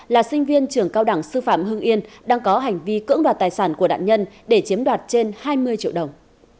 là sinh viên trường cao đẳng sư phạm hưng yên đang có hành vi cưỡng đoạt tài sản của nạn nhân để chiếm đoạt trên hai mươi triệu đồng